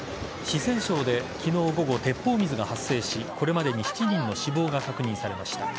四川省で昨日午後鉄砲水が発生しこれまでに７人の死亡が確認されました。